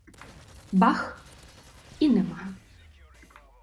Бах — і нема.